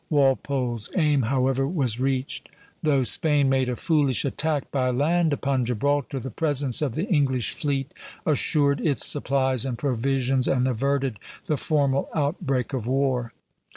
Walpole's aim, however, was reached; though Spain made a foolish attack by land upon Gibraltar, the presence of the English fleet assured its supplies and provisions and averted the formal outbreak of war.